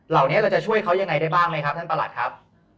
เหล่านี้เราจะช่วยเขายังไงได้บ้างไหมครับท่านประหลัดครับ